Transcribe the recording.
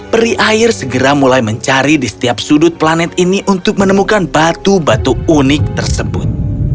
peri air segera mulai mencari di setiap sudut planet ini untuk menemukan batu batu unik tersebut